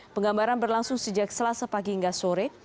penggambaran berlangsung sejak selasa pagi hingga sore